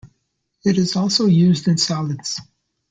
It is also used in salads.